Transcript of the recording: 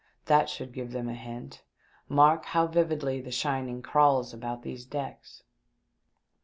That should give them a hint. Mark how vividly the shining crawls about these decks."